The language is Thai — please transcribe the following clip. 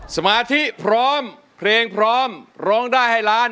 สมาธิพร้อมเพลงพร้อมร้องได้ให้ล้าน